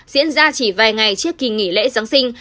diễn ra chỉ vài ngày trước kỳ nghỉ lễ giáng sinh